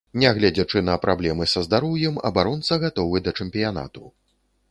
Нягледзячы на праблемы са здароўем абаронца гатовы да чэмпіянату.